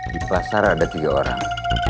di pasar ada tiga orang